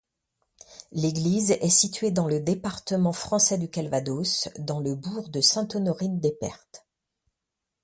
L'église est située dans le département français du Calvados, dans le bourg de Sainte-Honorine-des-Pertes.